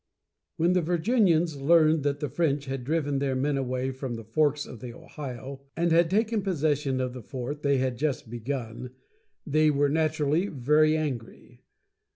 When the Virginians learned that the French had driven their men away from the forks of the Ohio, and had taken possession of the fort they had just begun, they were naturally very angry.